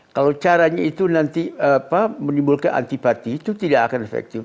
kalau caranya itu nanti menimbulkan antipati itu tidak akan efektif